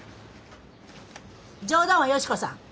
冗談はよし子さん。